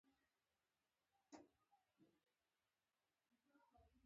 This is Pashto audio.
ما ورته وویل چې زه الزاویة الافغانیه ګورم.